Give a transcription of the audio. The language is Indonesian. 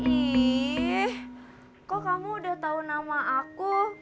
ih kok kamu udah tahu nama aku